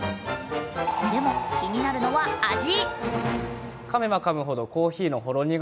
でも、気になるのは味。